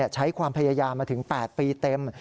ใช้ความพยายามมาถึง๘ปีเต็ม